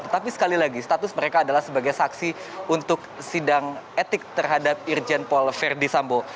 tetapi sekali lagi status mereka adalah sebagai saksi untuk sidang etik terhadap irjen paul verdi sambo